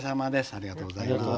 ありがとうございます。